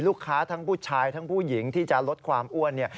ลูกค้าทั้งผู้ชายทั้งผู้หญิงที่จะลดความอ้วน